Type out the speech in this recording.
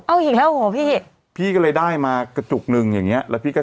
เอาอีกแล้วโอ้โหพี่พี่ก็เลยได้มากระจุกหนึ่งอย่างเงี้แล้วพี่ก็